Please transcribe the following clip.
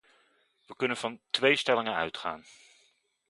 We kunnen van twee stellingen uitgaan.